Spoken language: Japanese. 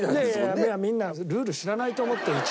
みんなルール知らないと思って一応。